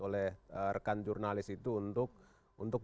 oleh rekan jurnalis itu untuk